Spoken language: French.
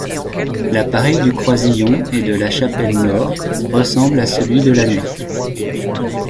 L'appareil du croisillon et de la chapelle nord ressemble à celui de la nef.